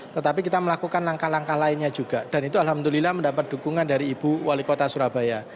tetapi kita melakukan langkah langkah lainnya juga dan itu alhamdulillah mendapat dukungan dari ibu wali kota surabaya